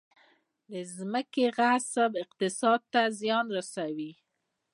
د ځمکې غصب اقتصاد ته زیان رسوي